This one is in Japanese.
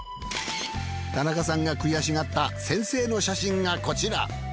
田中さんが悔しがった先生の写真がこちら。